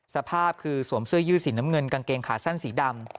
สภาพคือสวมเสื้อยืดสีน้ำเงินกางเกงขาสั้นสีดำ